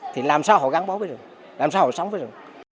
thì làm sao họ gắn bó với được làm sao họ sống với rừng